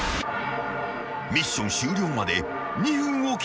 ［ミッション終了まで２分を切った］